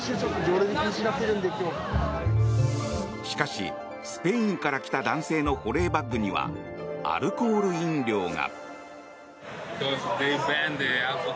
しかしスペインから来た男性の保冷バッグにはアルコール飲料が。